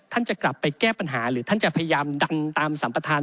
จะกลับไปแก้ปัญหาหรือท่านจะพยายามดันตามสัมประธาน